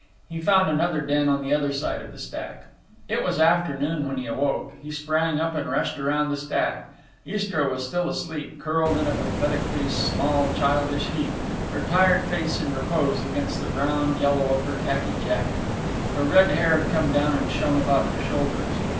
He found another den on the other side of the stack. It was afternoon when he awoke. He sprang up and rushed around the stack. Istra was still asleep, curled in a pathetically small childish heap, her tired face in repose against the brown yellow of her khaki jacket. Her red hair had come down and shone about her shoulders.